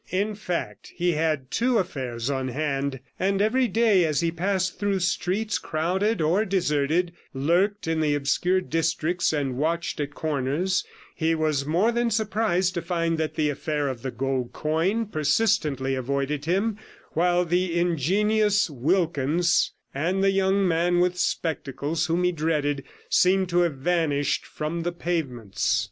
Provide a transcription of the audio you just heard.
In fact, he had two affairs on hand; and every day, as he passed through streets crowded or deserted, lurked in the obscure districts and watched at corners, he was more than surprised to find that the affair of the gold coin persistently avoided him, while the ingenious Wilkins, and the young man with spectacles whom he dreaded, seemed to have vanished from the pavements.